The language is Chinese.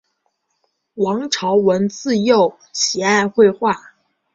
王朝闻自幼喜爱绘画。